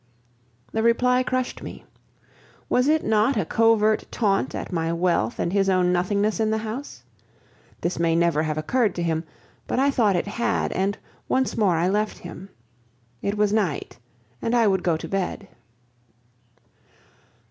The reply crushed me. Was it not a covert taunt at my wealth and his own nothingness in the house? This may never have occurred to him, but I thought it had, and once more I left him. It was night, and I would go to bed.